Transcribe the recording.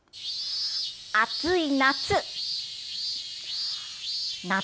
暑い夏！